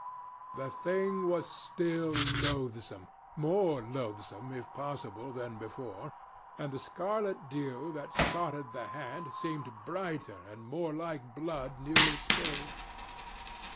The thing was still loathsome—more loathsome, if possible, than before—and the scarlet dew that spotted the hand seemed brighter, and more like blood newly spilled.